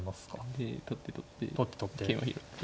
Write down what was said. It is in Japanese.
で取って取って桂馬拾って。